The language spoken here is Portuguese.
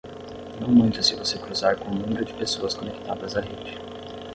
Não muito se você cruzar com o número de pessoas conectadas à rede.